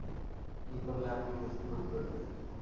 কি করলে আপনি স্বস্তিবোধ করবেন?